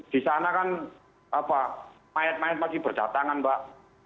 di sana kan mayat mayat pasti berdatangan mbak